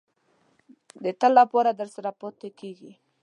د تل لپاره درسره پاتې کېږي.